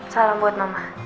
salam buat mama